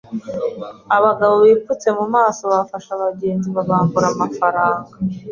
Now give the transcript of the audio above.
Abagabo bipfutse mu maso bafashe abagenzi babambura amafaranga.